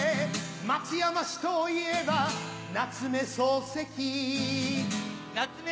松山市といえば夏目漱石夏目